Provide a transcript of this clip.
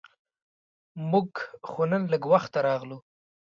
مونږ خو نن لږ وخته راغلو.